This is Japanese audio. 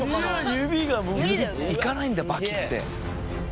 指いかないんだバキッて。